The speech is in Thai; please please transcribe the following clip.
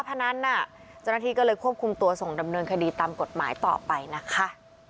เจ้าหน้าที่ก็เลยควบคุมตัวส่งดำเนินคดีตามกฎหมายต่อไปนะคะ